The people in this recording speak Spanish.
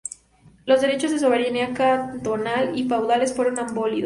Los derechos de soberanía cantonal y feudales fueron abolidos.